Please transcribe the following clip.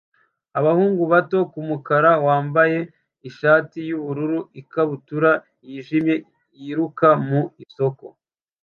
Agahungu gato k'umukara wambaye ishati y'ubururu n'ikabutura yijimye yiruka mu isoko